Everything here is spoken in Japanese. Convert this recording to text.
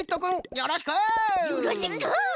よろしく。